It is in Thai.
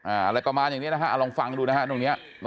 อะไรประมาณอย่างนี้นะครับลองฟังดูนะครับ